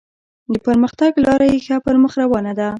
د پرمختګ لاره یې ښه پر مخ روانه ده.